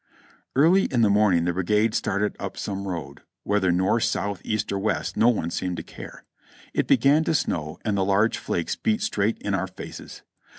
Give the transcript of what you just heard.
Early in the morning the brigade started up some road, whether north, south, east or west no one seemed to care. It began to snow and the large flakes beat straight in our faces.